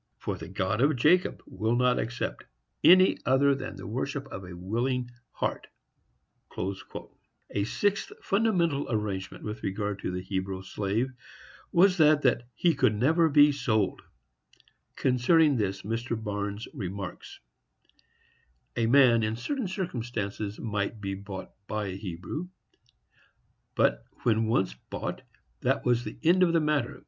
For the God of Jacob will not accept any other than the worship of a willing heart.—Maimon. Hilcoth Miloth, chap. I., sec. 8. A sixth fundamental arrangement with regard to the Hebrew slave was that he could never be sold. Concerning this Mr. Barnes remarks: A man, in certain circumstances, might be bought by a Hebrew; but when once bought, that was an end of the matter.